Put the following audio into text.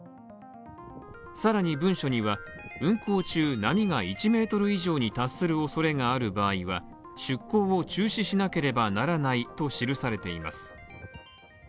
さらに文書には、運航中波が１ｍ以上に達する恐れがある場合は出航を中止しなければならないと記されています。